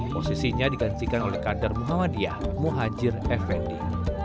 posisinya digantikan oleh kader muhammadiyah muhajir effendi